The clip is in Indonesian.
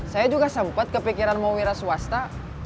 saya juga sempet kepikiran mau wiras wasta